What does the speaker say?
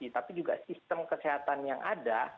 tapi juga sistem kesehatan yang ada